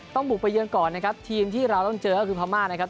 บุกไปเยือนก่อนนะครับทีมที่เราต้องเจอก็คือพม่านะครับ